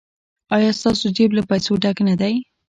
ایا ستاسو جیب له پیسو ډک نه دی؟